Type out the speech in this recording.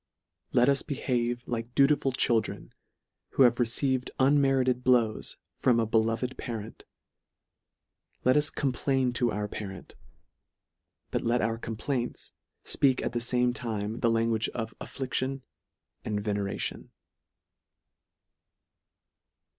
Let us behave like dutiful children, who have received unmerited ws from a beloved parent. Let us c r ain to our parents ; but let our complaints fpeak at the fame LETTER III. 35 time, the language of affliction and venera tion.